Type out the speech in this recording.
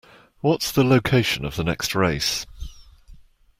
What's the location of the next race?